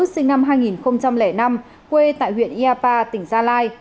sinh năm hai nghìn năm quê tại huyện yapa tỉnh gia lai